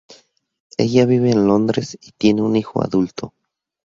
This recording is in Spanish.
Ella vive en Londres y tiene un hijo adulto.